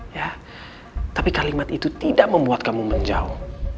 jadi kalimat itu tidak membuat kamu menjauh